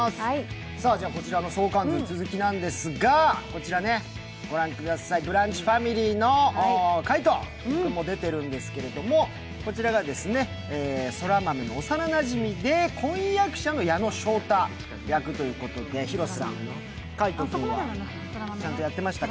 こちらの相関図の続きなんですがこちらね、ご覧ください、「ブランチ」ファミリーの海君も出ているんですけど、こちらが空豆の幼なじみで婚約者の矢野翔太役ということで、広瀬さん、海音君はちゃんとやってましたか？